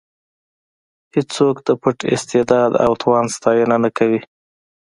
هېڅوک د پټ استعداد او توان ستاینه نه کوي.